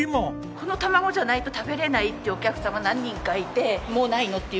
この卵じゃないと食べられないってお客様何人かいてもうないの？っていうぐらい争奪戦になったり。